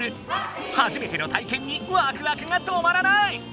はじめてのたいけんにワクワクが止まらない！